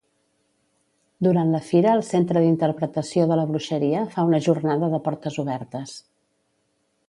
Durant la fira el Centre d’Interpretació de la Bruixeria fa una jornada de portes obertes.